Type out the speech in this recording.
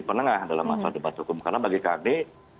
penengah dalam masalah debat hukum karena bagi kami